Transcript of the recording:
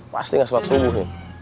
pasti gak sholat subuh nih